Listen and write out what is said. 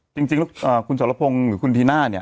จริงแล้วคุณสรพงศ์หรือคุณธีน่าเนี่ย